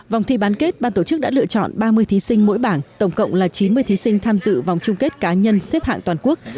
vòng thi bán kết ban tổ chức đã lựa chọn ba mươi thí sinh mỗi bảng tổng cộng là chín mươi thí sinh tham dự vòng chung kết cá nhân xếp hạng toàn quốc